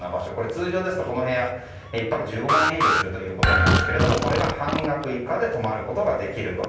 通常ですとこの部屋１泊１５万円以上するということですがこれが半額以下で泊まることができると。